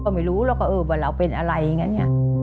ก็ไม่รู้แล้วก็เออว่าเราเป็นอะไรอย่างนั้นเนี่ย